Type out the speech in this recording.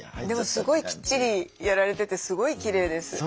でもすごいきっちりやられててすごいきれいです。